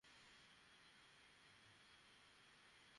এমন কিছু যা গোটা প্রোগ্রামটাকে কোনো উদ্দেশ্যে পুনরাবৃত্তি করছে?